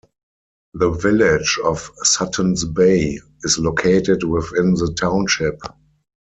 The village of Suttons Bay is located within the township.